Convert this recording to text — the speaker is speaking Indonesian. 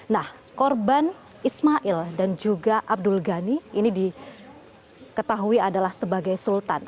nah korban ismail dan juga abdul ghani ini diketahui adalah sebagai sultan